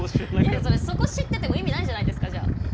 いやそこ知ってても意味ないじゃないですかじゃあ。